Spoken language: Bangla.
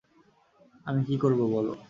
আমি কী করব বলো।